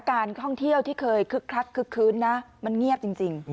การท่องเที่ยวที่เคยคึกคักคึกคืนนะมันเงียบจริง